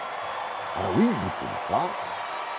ウイッグっていうんですか